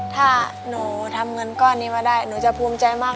ถ้าหนูทำเงินก้อนนี้มาได้หนูจะภูมิใจมาก